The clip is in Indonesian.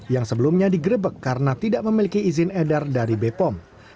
yang sebelumnya digrebek karena tidak memiliki izin edar dari bepom